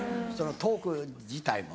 トーク自体も。